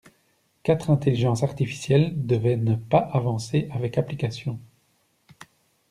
Quatre intelligences artificielles devaient ne pas avancer avec application.